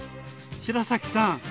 白崎さん